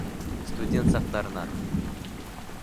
Студент саҡтарынан...